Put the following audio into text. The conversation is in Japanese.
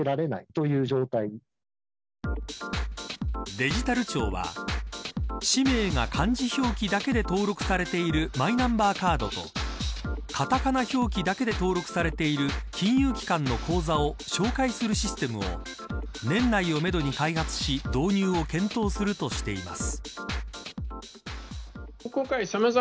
デジタル庁は氏名が漢字表記だけで登録されているマイナンバーカードとカタカナ表記だけで登録されている金融機関の口座を照会するシステムを年内をめどに開発し導入を検討するとしています。